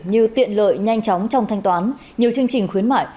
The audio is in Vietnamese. như tiện lợi nhanh chóng trong thanh toán nhiều chương trình khuyến mại